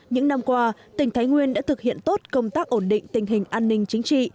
những năm qua tỉnh thái nguyên đã thực hiện tốt công tác ổn định tình hình an ninh chính trị